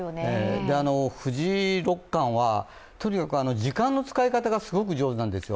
藤井六冠はとにかく時間の使い方がすごく上手なんですよ